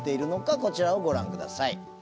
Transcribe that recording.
こちらをご覧ください。